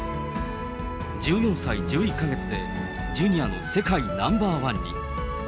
１４歳１１か月でジュニアの世界ナンバー１に。